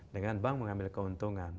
dengan bank mengambil keuntungan